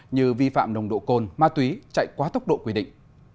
như vi phạm nồng độ cồn ma túy chạy quá tốc độ quy định